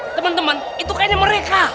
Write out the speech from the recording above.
temen temen itu kayaknya mereka